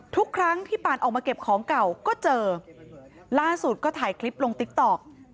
ทุกครั้งที่ปานออกมาเก็บของเก่าก็เจอล่าสุดก็ถ่ายคลิปลงติ๊กต๊อก